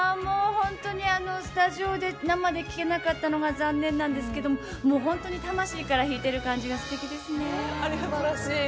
スタジオで生で聞けなかったのが残念なんですけど本当に魂から弾いてる感じが素敵ですね！